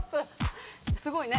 すごいね。